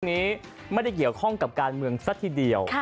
นี้ไม่ได้เกี่ยวข้องกับการเมืองซะทีเดียว